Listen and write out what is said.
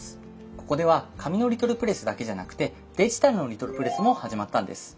ここでは紙のリトルプレスだけじゃなくてデジタルのリトルプレスも始まったんです。